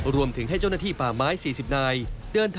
รวมถึงให้เจ้าหน้าที่ป่าไม้๔๐นาย